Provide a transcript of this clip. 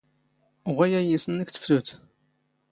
ⵖⵉ ⴰⵢⵢⵉⵙ ⵏⵏⴽ ⵜⴼⵜⵓⴷ.